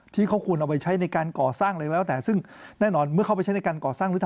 ที่เขาควรเอาไปใช้ในการก่อสร้างซึ่งแน่นอนเมื่อเขาไปใช้ในการก่อสร้าง